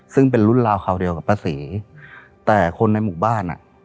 ซึ่งเป็นรุ่นราวคราวเดียวกับป้าศรีแต่คนในหมู่บ้านอ่ะ